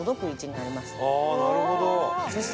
なるほど！